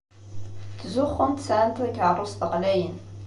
Ttxuzzunt sɛant takeṛṛust ɣlayen.